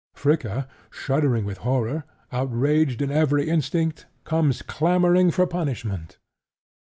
Fricka, shuddering with horror, outraged in every instinct, comes clamoring for punishment.